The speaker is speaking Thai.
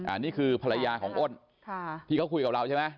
อันนี้คือภรรยาของอ้นที่เขาคุยกับเราใช่ไหม